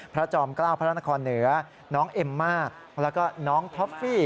จอมเกล้าพระนครเหนือน้องเอมมาแล้วก็น้องท็อฟฟี่